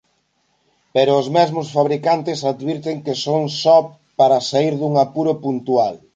Pero os mesmos fabricantes advirten que son só para saír dun apuro puntual.